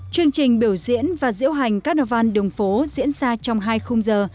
chương trình biểu diễn và diễu hành cát nao văn đường phố diễn ra trong hai khung giờ